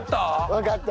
わかった。